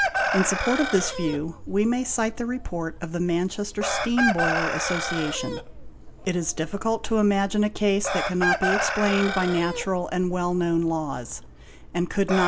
In support of this view, we may cite the report of the Manchester Steam Boiler Association,—" It is difficult to imagine a case that cannot be explained by natural and well known laws, and could not.